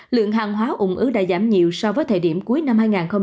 lượng hàng hóa ủng ứ đã giảm nhiều so với thời điểm cuối năm hai nghìn hai mươi ba